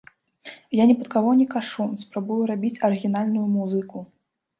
Я ні пад каго не кашу, спрабую рабіць арыгінальную музыку.